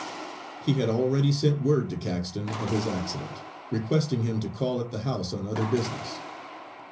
He had already sent word to Caxton of his accident, requesting him to call at the house on other business.